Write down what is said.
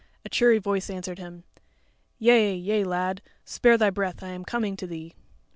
A cheery voice answered him: "Yea, yea, lad; spare thy breath; I am coming to thee."